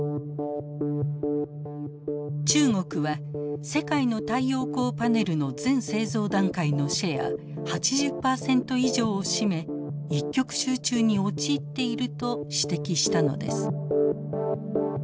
中国は世界の太陽光パネルの全製造段階のシェア８０％以上を占め一極集中に陥っていると指摘したのです。